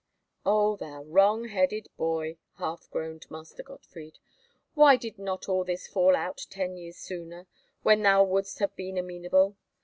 "O thou wrong headed boy!" half groaned Master Gottfried. "Why did not all this fall out ten years sooner, when thou wouldst have been amenable?